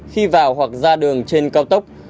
khi vào hoặc ra đường trên cao tốc